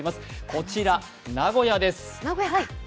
こちら名古屋です。